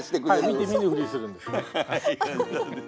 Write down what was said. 見て見ぬふりするんですね。